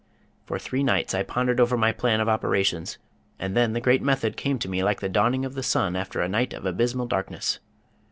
For three nights I pondered over my plan of operations, and then the great method came to me like the dawning of the sun after a night of abysmal darkness.